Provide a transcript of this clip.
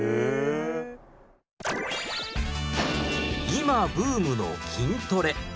今ブームの筋トレ。